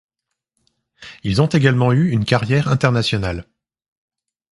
Ils ont également eu une carrière internationale.